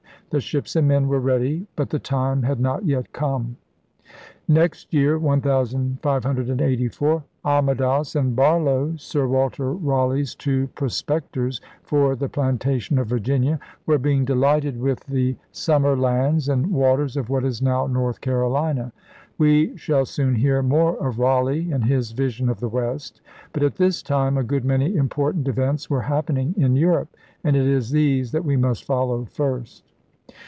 The ships and men were ready. But the time had not yet come. Next year (1584) Amadas and Barlow, Sir Walter Raleigh's two prospectors for the 'planta tion' of Virginia, were being delighted with the 152 ELIZABETHAN SEA DOGS summer lands and waters of what is now North Carolina. We shall soon hear more of Raleigh and his vision of the West. But at this time a good many important events were happening in Europe; and it is these that we must follow first.